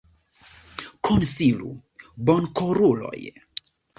Konsilu, bonkoruloj!